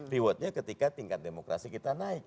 rewardnya ketika tingkat demokrasi kita naik